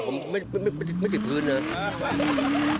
ผมไม่ติดพื้นเลย